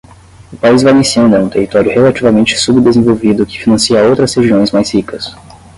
O País Valenciano é um território relativamente subdesenvolvido que financia outras regiões mais ricas.